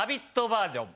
バージョン。